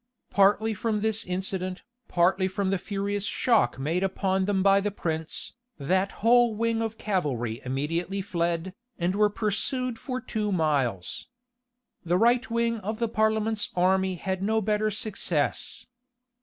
Partly from this incident, partly from the furious shock made upon them by the prince, that whole wing of cavalry immediately fled, and were pursued for two miles. The right wing of the parliament's army had no better success.